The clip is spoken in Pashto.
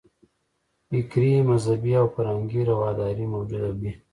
فکري، مذهبي او فرهنګي رواداري موجوده وي.